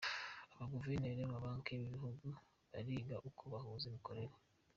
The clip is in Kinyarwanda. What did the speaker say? Abaguverineri b’amabanki y’ibihugu bariga uko bahuza imikorere